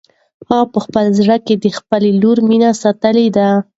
هغه په خپل زړه کې د خپلې لور مینه ساتلې ده.